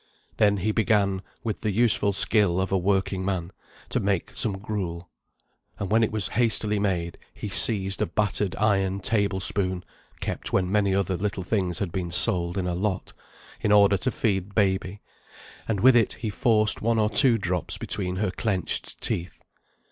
Then he began, with the useful skill of a working man, to make some gruel; and when it was hastily made he seized a battered iron table spoon (kept when many other little things had been sold in a lot), in order to feed baby, and with it he forced one or two drops between her clenched teeth.